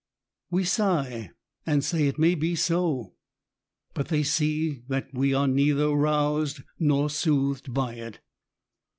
We sigh, and say it may be so ; but they see that we are neither roused nor soothed by it.